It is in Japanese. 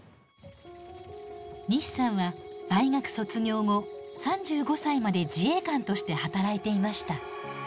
西さんは大学卒業後３５歳まで自衛官として働いていました。